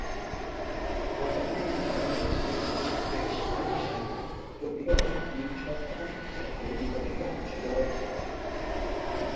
বর্তমানে এটি ভারত ও চিনের মধ্যে আইন স্বীকৃত সীমানা, যদিও চীন সরকার একে বিতর্কিত অংশ বলে মনে করে।